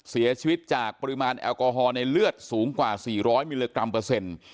เสียชีวิตจากปริมาณแอลกอฮอล์ในเลือดสูงกว่า๔๐๐มิลลิกรัมเปอร์เซ็นต์